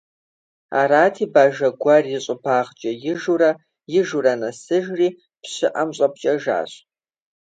Арати Бажэ гуэрри щӀыбагъкӀэ ижурэ, ижурэ нэсыжри пщыӀэм щӀэпкӀэжащ.